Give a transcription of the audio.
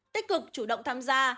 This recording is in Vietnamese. tích cực chủ động tham gia